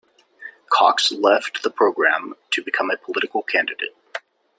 Cox left the programme to become a political candidate.